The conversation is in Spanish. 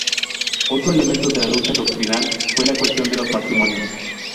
Otro elemento de la lucha doctrinal fue la cuestión de los matrimonios.